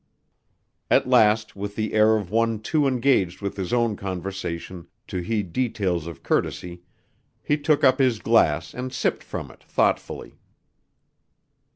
At last with the air of one too engaged with his own conversation to heed details of courtesy he took up his glass and sipped from it thoughtfully.